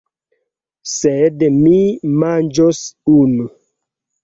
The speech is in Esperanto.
Sed mi manĝos unu!